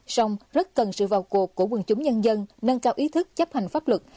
xong rất cần sự vào cuộc của quân chúng nhân dân nâng cao ý thức chấp hành pháp luật